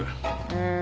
うん。